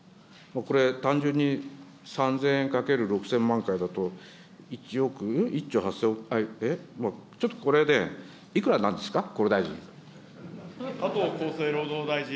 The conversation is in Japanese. これ、単純に３０００円掛ける６０００万回だと、１億、１兆、えっ、ちょっとこれで、いくらになるんですか、厚労大臣。